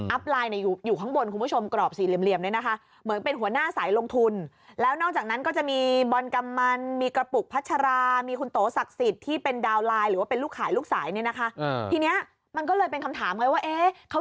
อัพไลน์อยู่ข้างบนคุณผู้ชมกรอบสี่เหลี่ยมเนี่ยนะคะ